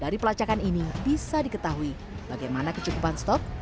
dari pelacakan ini bisa diketahui bagaimana kecukupan stok